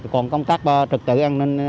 còn công tác trực tự an ninh